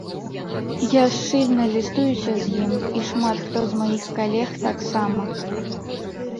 Я шчыльна лістуюся з ім, і шмат хто з маіх калег таксама.